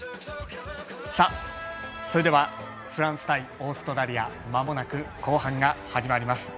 それではフランス対オーストラリアまもなく、後半が始まります。